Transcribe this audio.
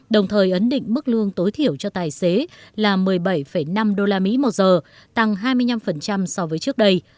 đồng thời ấn định mức lương tối thiểu cho tài xế là một mươi bảy năm đô la mỹ một giờ tăng hai mươi năm so với trước đây